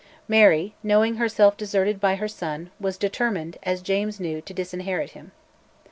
Mary, knowing herself deserted by her son, was determined, as James knew, to disinherit him.